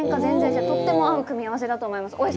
とても合う組み合わせだと思います。